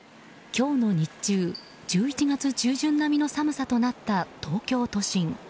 今日の日中、１１月中旬並みの寒さとなった東京都心。